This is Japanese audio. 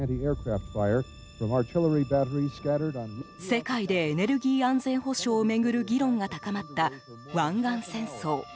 世界でエネルギー安全保障を巡る議論が高まった湾岸戦争。